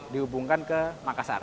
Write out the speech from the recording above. dihubungkan ke makassar